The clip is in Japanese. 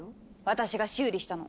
私が修理したの。